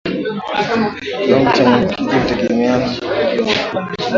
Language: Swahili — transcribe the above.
Kiwango cha maambukizi hutegemeana na wingi wa mbungo